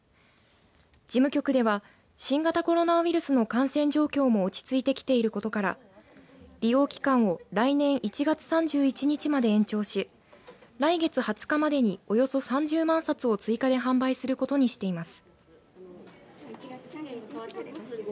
事務局では新型コロナウイルスの感染状況も落ち着いてきていることから利用期間を来年１月３１日まで延長し来月２０日までにおよそ３０万冊を追加で販売することにしています。